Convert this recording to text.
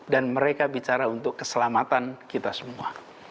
dan mereka bicara untuk keselamatan kita semua